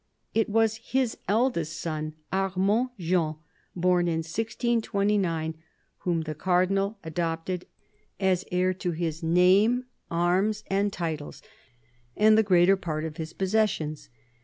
It was his eldest son, Armand Jean, born in 1629, whom the Cardinal adopted as heir to his name, arms, and titles, and the greater part of his possessions.